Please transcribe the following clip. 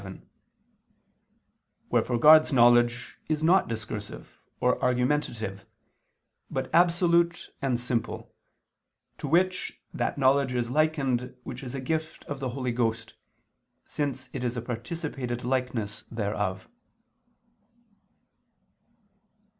7); wherefore God's knowledge is not discursive, or argumentative, but absolute and simple, to which that knowledge is likened which is a gift of the Holy Ghost, since it is a participated likeness thereof.